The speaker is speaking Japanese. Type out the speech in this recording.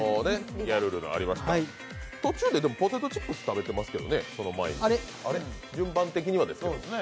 途中でポテトチップス食べてますけどね、その前に順番では。